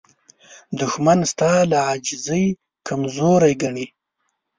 دښمن ستا له عاجزۍ کمزوري ګڼي